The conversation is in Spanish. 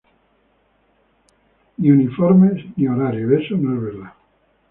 ni uniformes ni horarios... eso no es verdad.